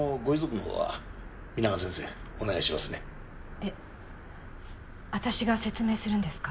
えっ私が説明するんですか？